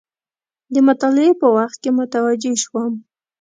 د مطالعې په وخت کې متوجه شوم.